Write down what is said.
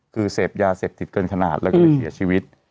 คือเสพยาเสพติดเกินขนาดแล้วก็เลยเสียชีวิต